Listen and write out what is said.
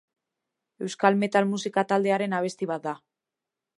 Euskal metal musika taldearen abesti bat da.